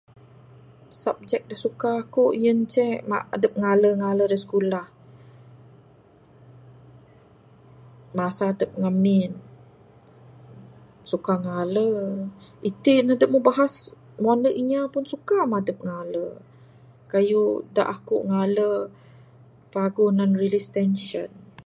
Subjek da suka aku yen ceh adep ngalur ngaler da sikulah...masa adep ngamin suka ngaler...itin adep mbuh bahas mbuh ande inya pun suka adep ngaler...kayuh da aku ngaler paguh tinan release tension.